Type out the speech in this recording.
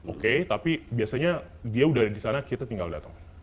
oke tapi biasanya dia udah ada di sana kita tinggal datang